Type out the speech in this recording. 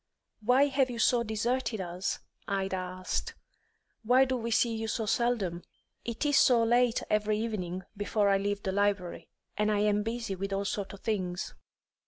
"Why have you so deserted us?" Ida asked. "Why do we see you so seldom?" "It is so late every evening before I leave the library, and I am busy with all sorts of things."